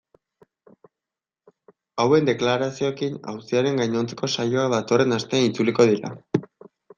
Hauen deklarazioekin auziaren gainontzeko saioak datorren astean itzuliko dira.